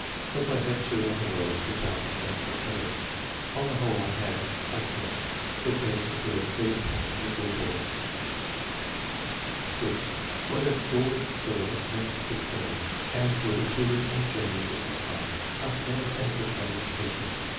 Thus I had two outer worlds to balance against each other. On the whole, I had, I think, the greatest degree of freedom possible to a boy." (6) "Was at school till set. 16, and with a tutor in • Germany ^for 6 months ; after then, technical training and teaching.